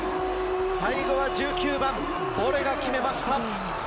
最後は１９番、ボレが決めました。